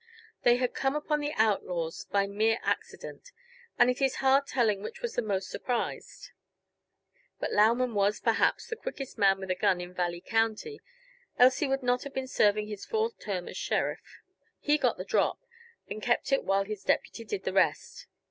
They had come upon the outlaws by mere accident, and it is hard telling which was the most surprised. But Lauman was, perhaps, the quickest man with a gun in Valley County, else he would not have been serving his fourth term as sheriff. He got the drop and kept it while his deputy did the rest.